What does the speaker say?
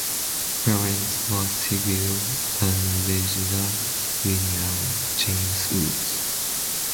Her parents were Sybil (born Hurst) and Reginald William James Woods.